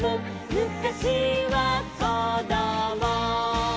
「むかしはこども」